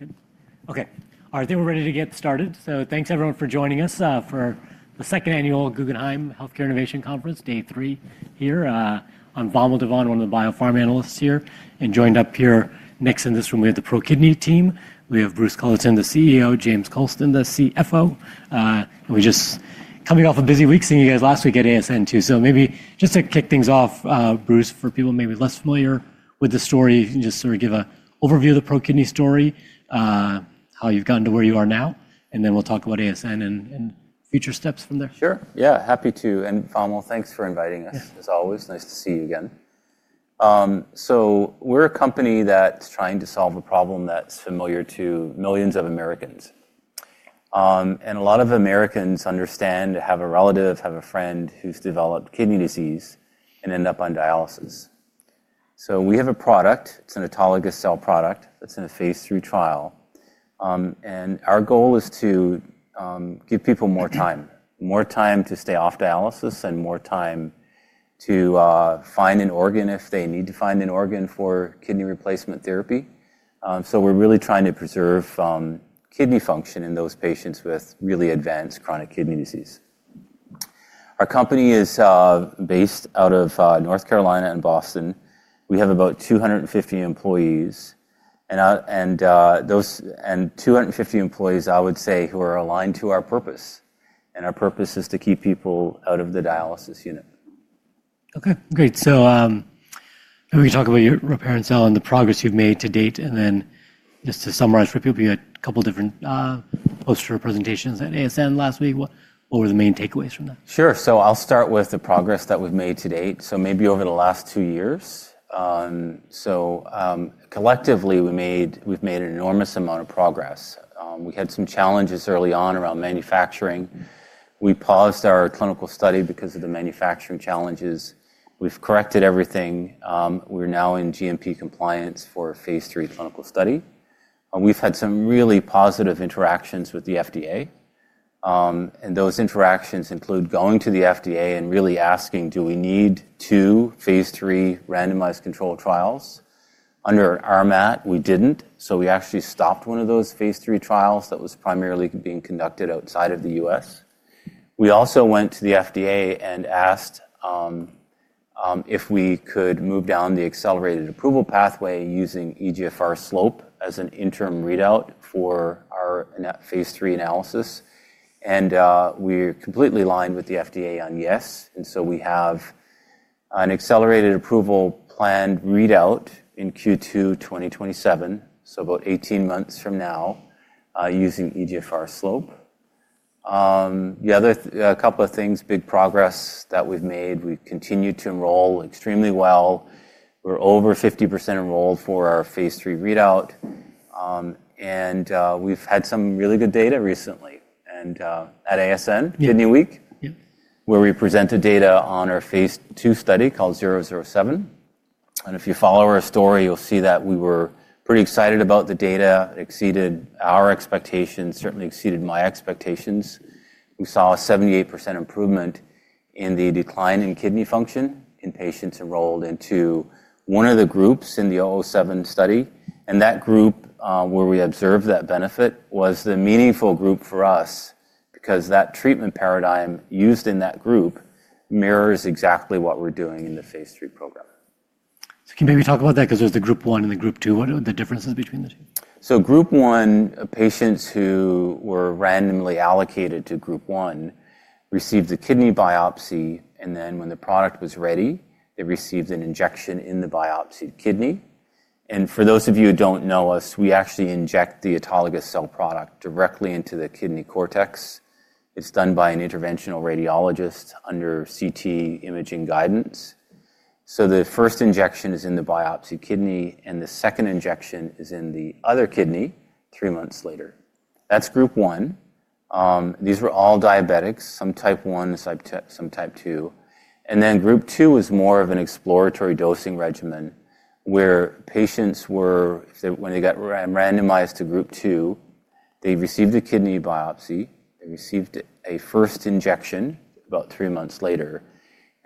Okay. All right. I think we're ready to get started. Thanks, everyone, for joining us for the second annual Guggenheim Healthcare Innovation Conference, day three here. I'm Bimal Devan, one of the bio-pharma analysts here. Joined up here next in this room, we have the ProKidney team. We have Bruce Culleton, the CEO, James Coulston, the CFO. We're just coming off a busy week, seeing you guys last week at ASN, too. Maybe just to kick things off, Bruce, for people maybe less familiar with the story, just sort of give an overview of the ProKidney story, how you've gotten to where you are now, and then we'll talk about ASN and future steps from there. Sure. Yeah. Happy to. And Bimal Devan, thanks for inviting us, as always. Nice to see you again. We are a company that's trying to solve a problem that's familiar to millions of Americans. A lot of Americans understand, have a relative, have a friend who's developed kidney disease and ended up on dialysis. We have a product. It's an autologous cell product that's in a phase III trial. Our goal is to give people more time, more time to stay off dialysis and more time to find an organ if they need to find an organ for kidney replacement therapy. We are really trying to preserve kidney function in those patients with really advanced chronic kidney disease. Our company is based out of North Carolina and Boston. We have about 250 employees. 250 employees, I would say, who are aligned to our purpose. Our purpose is to keep people out of the dialysis unit. Okay. Great. Maybe we can talk about your Rilparencel and the progress you've made to date. Just to summarize for people, you had a couple of different posters or presentations at ASN last week. What were the main takeaways from that? Sure. I'll start with the progress that we've made to date, maybe over the last two years. Collectively, we've made an enormous amount of progress. We had some challenges early on around manufacturing. We paused our clinical study because of the manufacturing challenges. We've corrected everything. We're now in GMP compliance for a phase III clinical study. We've had some really positive interactions with the FDA. Those interactions include going to the FDA and really asking, do we need two phase III randomized controlled trials? Under our RMAT, we didn't. We actually stopped one of those phase III trials that was primarily being conducted outside of the U.S. We also went to the FDA and asked if we could move down the accelerated approval pathway using eGFR slope as an interim readout for our phase III analysis. We're completely aligned with the FDA on yes. We have an accelerated approval planned readout in Q2 2027, so about 18 months from now, using eGFR slope. The other couple of things, big progress that we've made, we've continued to enroll extremely well. We're over 50% enrolled for our phase III readout. We've had some really good data recently at ASN, Kidney Week, where we presented data on our phase II study called 007. If you follow our story, you'll see that we were pretty excited about the data. It exceeded our expectations, certainly exceeded my expectations. We saw a 78% improvement in the decline in kidney function in patients enrolled into one of the groups in the 007 study. That group where we observed that benefit was the meaningful group for us because that treatment paradigm used in that group mirrors exactly what we're doing in the phase III program. Can you maybe talk about that? Because there's the group one and the group two. What are the differences between the two? Group one, patients who were randomly allocated to group one received the kidney biopsy. When the product was ready, they received an injection in the biopsied kidney. For those of you who do not know us, we actually inject the autologous cell product directly into the kidney cortex. It is done by an interventional radiologist under CT imaging guidance. The first injection is in the biopsied kidney, and the second injection is in the other kidney three months later. That is group one. These were all diabetics, some type 1, some type 2. Group two was more of an exploratory dosing regimen where patients were, when they got randomized to group two, they received a kidney biopsy. They received a first injection about three months later.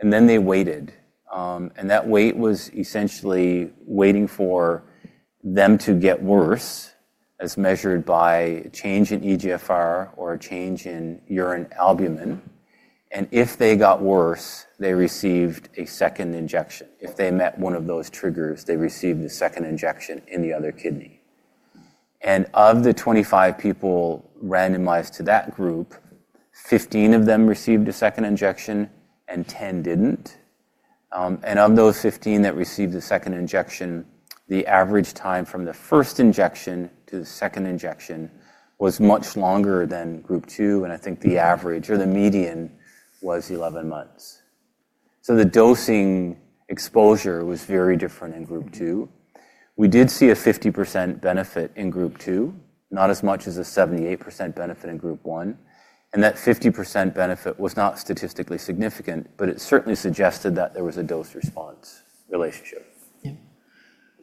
Then they waited. That wait was essentially waiting for them to get worse, as measured by a change in eGFR or a change in urine albumin. If they got worse, they received a second injection. If they met one of those triggers, they received a second injection in the other kidney. Of the 25 people randomized to that group, 15 of them received a second injection and 10 did not. Of those 15 that received the second injection, the average time from the first injection to the second injection was much longer than group two. I think the average or the median was 11 months. The dosing exposure was very different in group two. We did see a 50% benefit in group two, not as much as a 78% benefit in group one. That 50% benefit was not statistically significant, but it certainly suggested that there was a dose-response relationship. Yeah.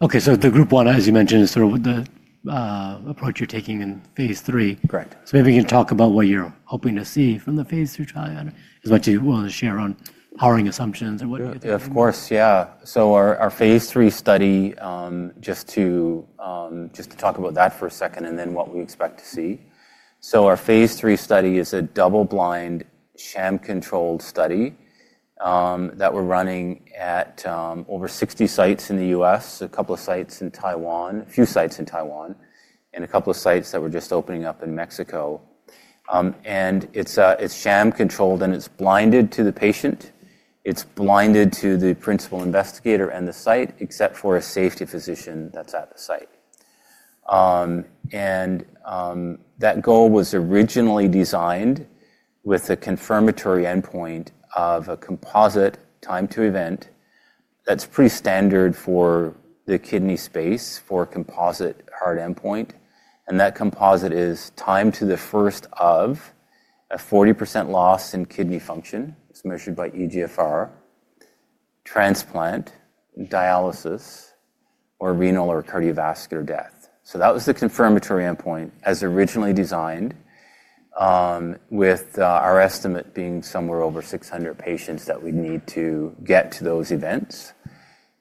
Okay. So the group one, as you mentioned, is sort of the approach you're taking in phase three. Correct. Maybe you can talk about what you're hoping to see from the phase III trial as much as you want to share on powering assumptions or what you're thinking. Of course. Yeah. Our phase III study, just to talk about that for a second and then what we expect to see. Our phase III study is a double-blind sham-controlled study that we're running at over 60 sites in the U.S., a couple of sites in Taiwan, a few sites in Taiwan, and a couple of sites that we're just opening up in Mexico. It's sham-controlled, and it's blinded to the patient. It's blinded to the principal investigator and the site, except for a safety physician that's at the site. That goal was originally designed with a confirmatory endpoint of a composite time-to-event that's pretty standard for the kidney space for composite hard endpoint. That composite is time to the first of a 40% loss in kidney function. It's measured by eGFR, transplant, dialysis, or renal or cardiovascular death. That was the confirmatory endpoint as originally designed, with our estimate being somewhere over 600 patients that we need to get to those events.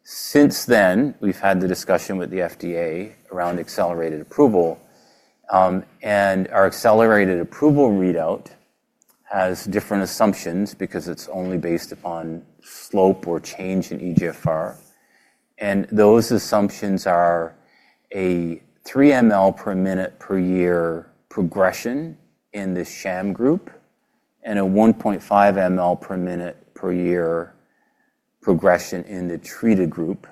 Since then, we've had the discussion with the FDA around accelerated approval. Our accelerated approval readout has different assumptions because it's only based upon slope or change in eGFR. Those assumptions are a 3 mL per minute per year progression in the sham group and a 1.5 mL per minute per year progression in the treated group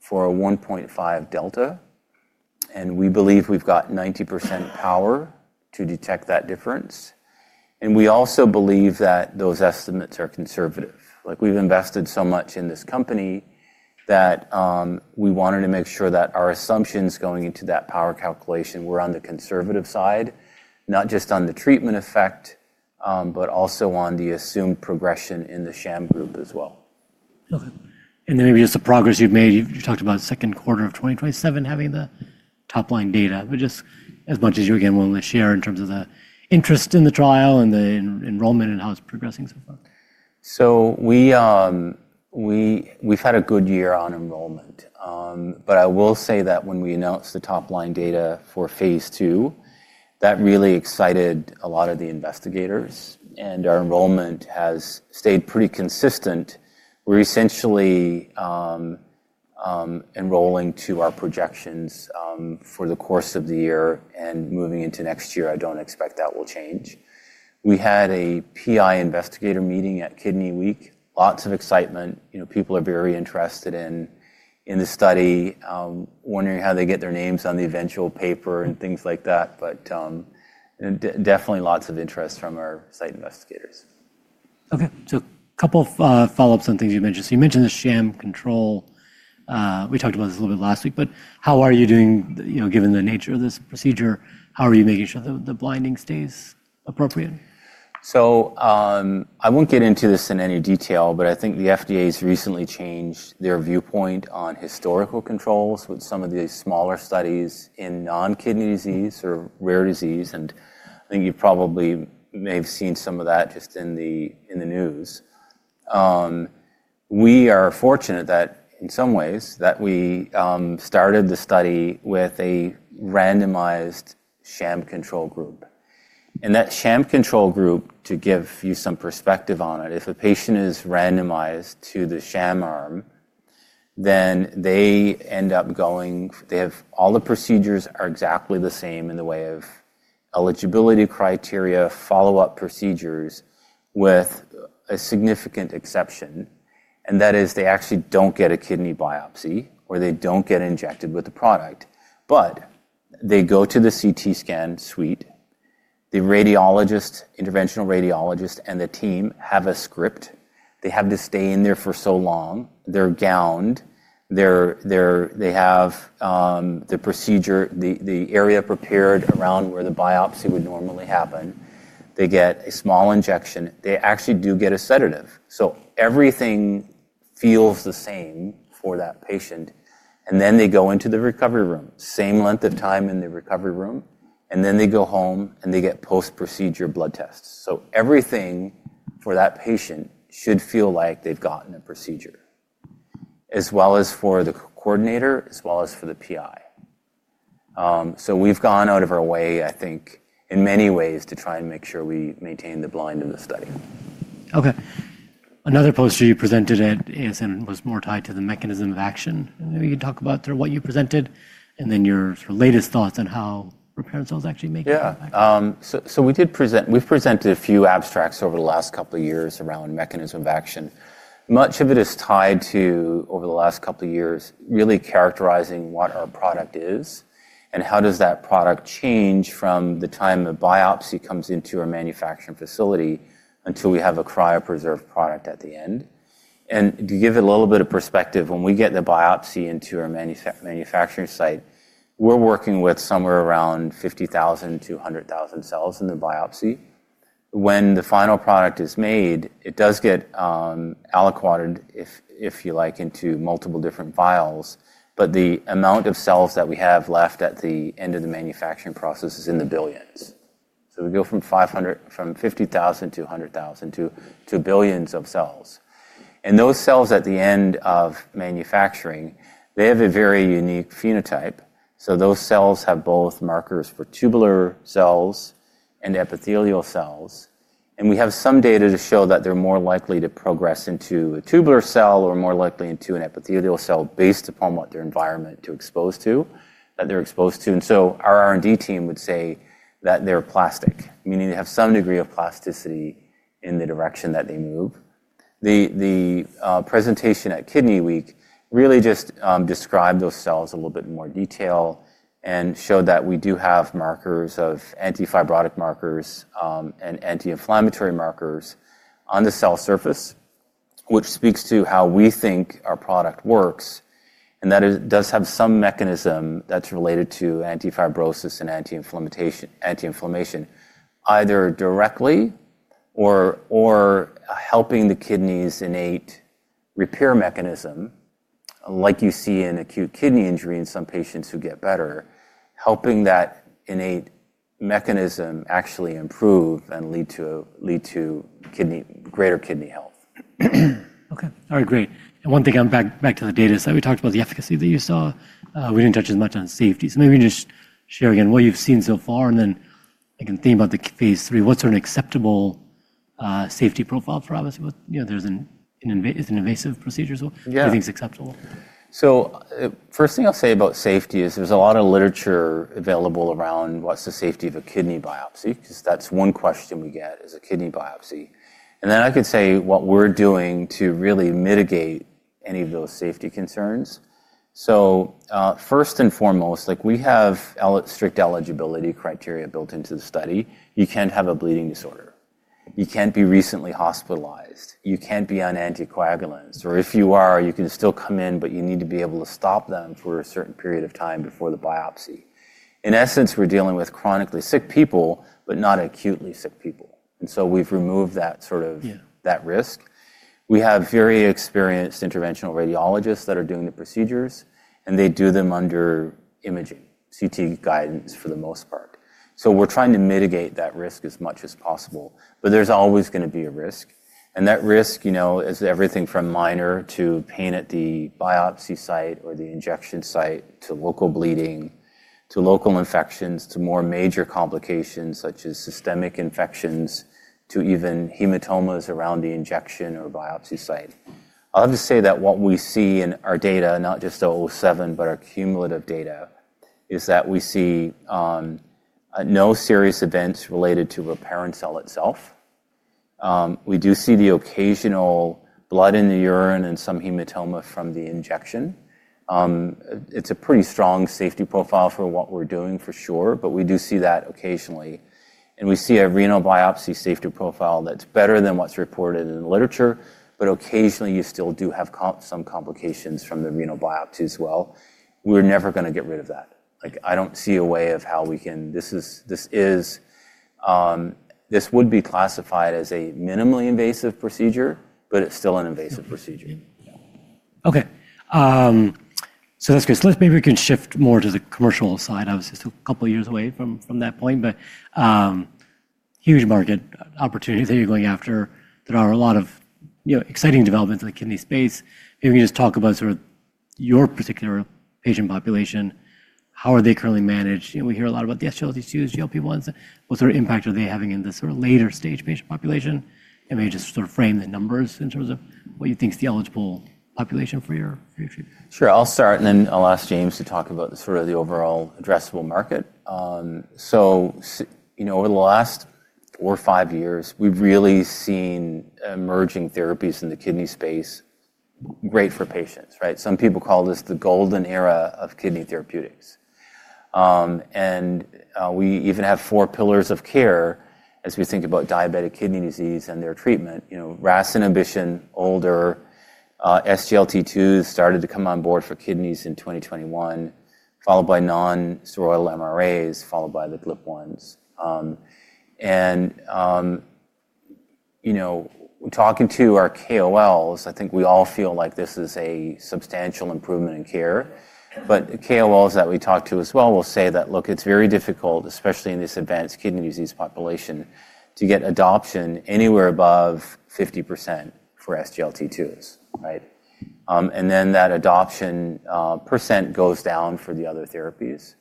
for a 1.5 delta. We believe we've got 90% power to detect that difference. We also believe that those estimates are conservative. We've invested so much in this company that we wanted to make sure that our assumptions going into that power calculation were on the conservative side, not just on the treatment effect, but also on the assumed progression in the sham group as well. Okay. Maybe just the progress you've made. You talked about second quarter of 2027 having the top-line data. Just as much as you, again, want to share in terms of the interest in the trial and the enrollment and how it's progressing so far. We've had a good year on enrollment. I will say that when we announced the top-line data for phase two, that really excited a lot of the investigators. Our enrollment has stayed pretty consistent. We're essentially enrolling to our projections for the course of the year and moving into next year. I don't expect that will change. We had a PI investigator meeting at Kidney Week. Lots of excitement. People are very interested in the study, wondering how they get their names on the eventual paper and things like that. Definitely lots of interest from our site investigators. Okay. A couple of follow-ups on things you mentioned. You mentioned the sham control. We talked about this a little bit last week. How are you doing, given the nature of this procedure? How are you making sure that the blinding stays appropriate? I won't get into this in any detail, but I think the FDA has recently changed their viewpoint on historical controls with some of the smaller studies in non-kidney disease or rare disease. I think you probably may have seen some of that just in the news. We are fortunate that, in some ways, we started the study with a randomized sham control group. That sham-control group, to give you some perspective on it, if a patient is randomized to the sham-arm, then they end up going, they have all the procedures are exactly the same in the way of eligibility criteria, follow-up procedures with a significant exception. That is, they actually don't get a kidney biopsy or they don't get injected with the product. They go to the CT scan suite. The interventional radiologist and the team have a script. They have to stay in there for so long. They're gowned. They have the procedure, the area prepared around where the biopsy would normally happen. They get a small injection. They actually do get a sedative. Everything feels the same for that patient. They go into the recovery room, same length of time in the recovery room. They go home and they get post-procedure blood tests. Everything for that patient should feel like they've gotten a procedure, as well as for the coordinator, as well as for the PI. We've gone out of our way, I think, in many ways to try and make sure we maintain the blind of the study. Okay. Another poster you presented at ASN was more tied to the mechanism of action. Maybe you can talk about what you presented and then your latest thoughts on how Rilparencel actually make an impact. Yeah. We've presented a few abstracts over the last couple of years around mechanism of action. Much of it is tied to, over the last couple of years, really characterizing what our product is and how does that product change from the time a biopsy comes into our manufacturing facility until we have a cryopreserved product at the end. To give it a little bit of perspective, when we get the biopsy into our manufacturing site, we're working with somewhere around 50,000-100,000 cells in the biopsy. When the final product is made, it does get aliquoted, if you like, into multiple different vials. The amount of cells that we have left at the end of the manufacturing process is in the billions. We go from 50,000-100,000 to billions of cells. Those cells at the end of manufacturing, they have a very unique phenotype. Those cells have both markers for tubular cells and epithelial cells. We have some data to show that they're more likely to progress into a tubular cell or more likely into an epithelial cell based upon what their environment that they're exposed to. Our R&D team would say that they're plastic, meaning they have some degree of plasticity in the direction that they move. The presentation at Kidney Week really just described those cells a little bit in more detail and showed that we do have markers of antifibrotic markers and anti-inflammatory markers on the cell surface, which speaks to how we think our product works. It does have some mechanism that's related to antifibrosis and anti-inflammation, either directly or helping the kidney's innate repair mechanism, like you see in acute kidney injury in some patients who get better, helping that innate mechanism actually improve and lead to greater kidney health. Okay. All right. Great. One thing on back to the data is that we talked about the efficacy that you saw. We didn't touch as much on safety. Maybe you can just share again what you've seen so far and then I can think about the phase three. What's an acceptable safety profile for us? There's an invasive procedure. Do you think it's acceptable? First thing I'll say about safety is there's a lot of literature available around what's the safety of a kidney biopsy because that's one question we get is a kidney biopsy. I could say what we're doing to really mitigate any of those safety concerns. First and foremost, we have strict eligibility criteria built into the study. You can't have a bleeding disorder. You can't be recently hospitalized. You can't be on anticoagulants. Or if you are, you can still come in, but you need to be able to stop them for a certain period of time before the biopsy. In essence, we're dealing with chronically sick people, but not acutely sick people. We've removed that sort of risk. We have very experienced interventional radiologists that are doing the procedures, and they do them under imaging, CT guidance for the most part. We're trying to mitigate that risk as much as possible. There's always going to be a risk. That risk is everything from minor pain at the biopsy site or the injection site to local bleeding to local infections to more major complications such as systemic infections to even hematomas around the injection or biopsy site. I'll have to say that what we see in our data, not just 07, but our cumulative data, is that we see no serious events related to Rilparencel itself. We do see the occasional blood in the urine and some hematoma from the injection. It's a pretty strong safety profile for what we're doing, for sure. We do see that occasionally. We see a renal biopsy safety profile that's better than what's reported in the literature. Occasionally, you still do have some complications from the renal biopsy as well. We're never going to get rid of that. I don't see a way of how we can. This would be classified as a minimally invasive procedure, but it's still an invasive procedure. Okay. That's good. Maybe we can shift more to the commercial side. I was just a couple of years away from that point. Huge market opportunity that you're going after. There are a lot of exciting developments in the kidney space. Maybe we can just talk about sort of your particular patient population. How are they currently managed? We hear a lot about the SGLT2s, GLP-1s. What sort of impact are they having in the sort of later stage patient population? Maybe just sort of frame the numbers in terms of what you think is the eligible population for your treatment. Sure. I'll start, and then I'll ask James Coulston to talk about sort of the overall addressable market. Over the last four or five years, we've really seen emerging therapies in the kidney space, great for patients. Some people call this the golden era of kidney therapeutics. We even have four pillars of care as we think about diabetic kidney disease and their treatment. RAS inhibition, older, SGLT2s started to come on board for kidneys in 2021, followed by non-steroidal MRAs, followed by the GLP-1s. Talking to our KOLs, I think we all feel like this is a substantial improvement in care. KOLs that we talk to as well will say that, look, it's very difficult, especially in this advanced kidney disease population, to get adoption anywhere above 50% for SGLT2s. That adoption percent goes down for the other therapies.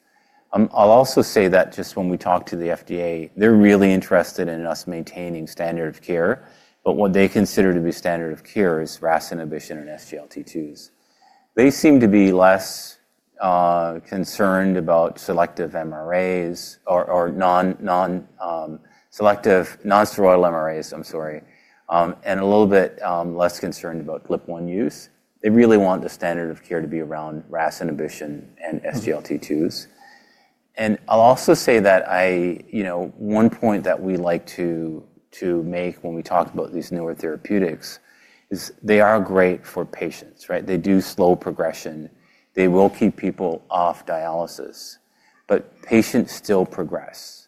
I'll also say that just when we talked to the FDA, they're really interested in us maintaining standard of care. What they consider to be standard of care is RAS inhibition and SGLT2s. They seem to be less concerned about non-steroidal MRAs, I'm sorry, and a little bit less concerned about GLP-1 use. They really want the standard of care to be around RAS inhibition and SGLT2s. I'll also say that one point that we like to make when we talk about these newer therapeutics is they are great for patients. They do slow progression. They will keep people off dialysis. Patients still progress.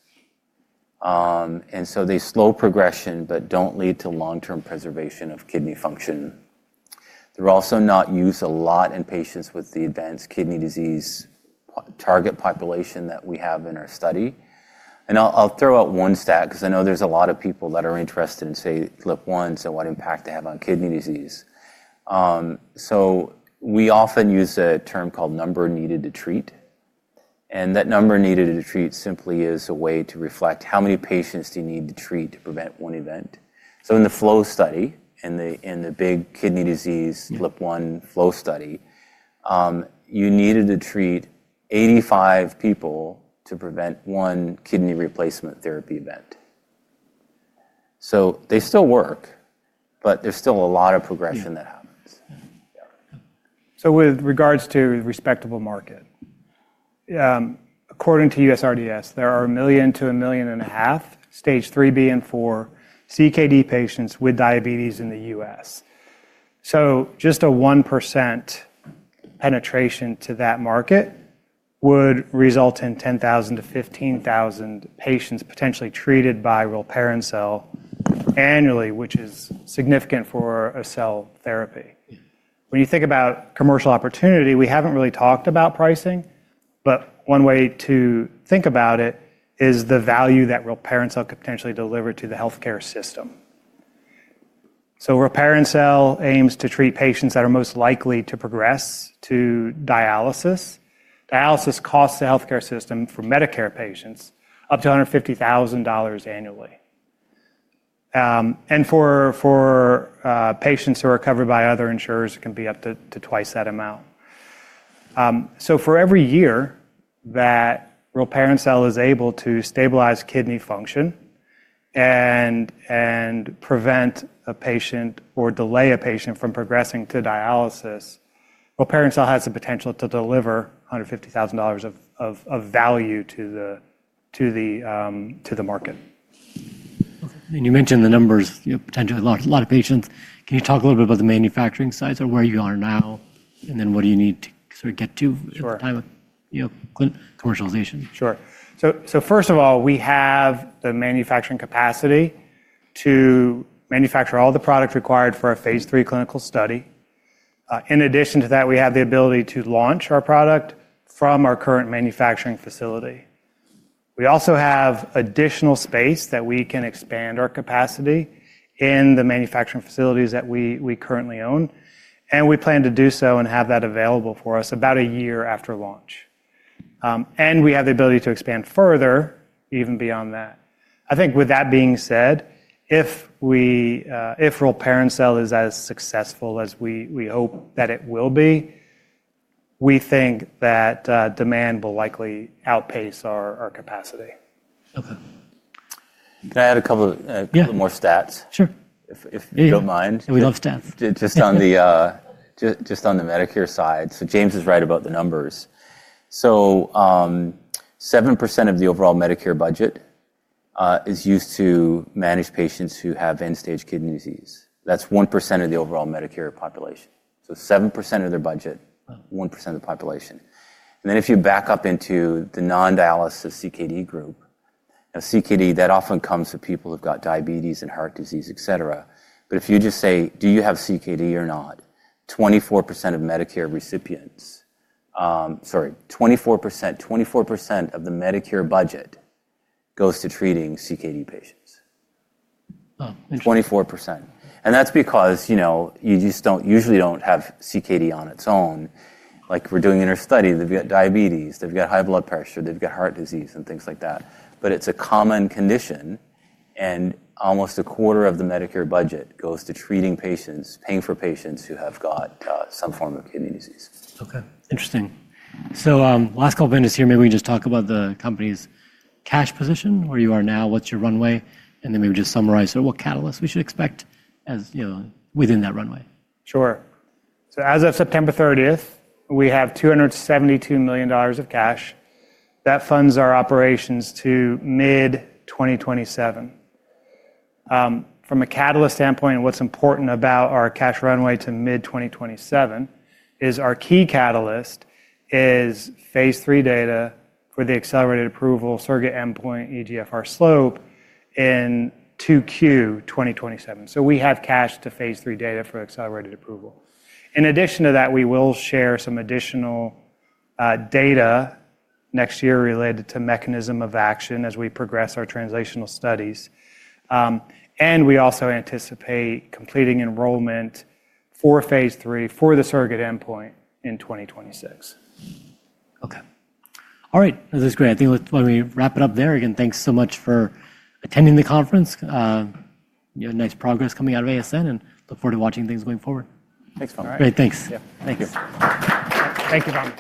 They slow progression, but do not lead to long-term preservation of kidney function. They're also not used a lot in patients with the advanced kidney disease target population that we have in our study. I'll throw out one stat because I know there's a lot of people that are interested in, say, GLP-1s and what impact they have on kidney disease. We often use a term called number needed to treat. That number needed to treat simply is a way to reflect how many patients you need to treat to prevent one event. In the FLO study, in the big kidney disease GLP-1 FLO study, you needed to treat 85 people to prevent one kidney replacement therapy event. They still work, but there's still a lot of progression that happens. With regards to respectable market, according to USRDS, there are a million to a million and 1/2 stage 3B and 4 CKD patients with diabetes in the U.S. Just a 1% penetration to that market would result in 10,000-15,000 patients potentially treated by Rilparencel annually, which is significant for a cell therapy. When you think about commercial opportunity, we haven't really talked about pricing. One way to think about it is the value that Rilparencel could potentially deliver to the healthcare system. Rilparencel aims to treat patients that are most likely to progress to dialysis. Dialysis costs the healthcare system for Medicare patients up to $150,000 annually. For patients who are covered by other insurers, it can be up to twice that amount. For every year that Rilparencel is able to stabilize kidney function and prevent a patient or delay a patient from progressing to dialysis, Rilparencel has the potential to deliver $150,000 of value to the market. You mentioned the numbers, potentially a lot of patients. Can you talk a little bit about the manufacturing sites or where you are now, and then what do you need to sort of get to at the time of commercialization? Sure. First of all, we have the manufacturing capacity to manufacture all the product required for a phase III clinical study. In addition to that, we have the ability to launch our product from our current manufacturing facility. We also have additional space that we can expand our capacity in the manufacturing facilities that we currently own. We plan to do so and have that available for us about a year after launch. We have the ability to expand further even beyond that. I think with that being said, if Rilparencel is as successful as we hope that it will be, we think that demand will likely outpace our capacity. Okay. Can I add a couple more stats? Sure. If you don't mind. Yeah, we love stats. Just on the Medicare side. James Couslston is right about the numbers. 7% of the overall Medicare budget is used to manage patients who have end-stage kidney disease. That is 1% of the overall Medicare population. 7% of their budget, 1% of the population. If you back up into the non-dialysis CKD group, now CKD, that often comes with people who have diabetes and heart disease, etc. If you just say, do you have CKD or not, 24% of Medicare recipients—sorry, 24% of the Medicare budget goes to treating CKD patients. 24%. That is because you just usually do not have CKD on its own. Like we are doing in our study, they have diabetes, they have high blood pressure, they have heart disease, and things like that. It is a common condition. Almost 1/4 of the Medicare budget goes to treating patients, paying for patients who have got some form of kidney disease. Okay. Interesting. Last couple of minutes here, maybe we can just talk about the company's cash position, where you are now, what's your runway, and then maybe just summarize what catalysts we should expect within that runway. Sure. As of September 30th, we have $272 million of cash. That funds our operations to mid-2027. From a catalyst standpoint, what's important about our cash runway to mid-2027 is our key catalyst is phase III data for the accelerated approval, surrogate end-point, eGFR slope in 2Q 2027. We have cash to phase III data for accelerated approval. In addition to that, we will share some additional data next year related to mechanism of action as we progress our translational studies. We also anticipate completing enrollment for phase III for the surrogate endpoint in 2026. Okay. All right. That's great. I think let me wrap it up there. Again, thanks so much for attending the conference. Nice progress coming out of ASN, and look forward to watching things going forward. Thanks. All right. Thanks. Yeah. Thanks. Thank you, Bob.